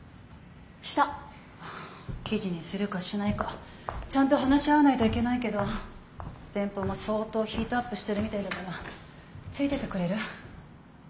記事にするかしないかちゃんと話し合わないといけないけど先方も相当ヒートアップしてるみたいだからついてってくれる？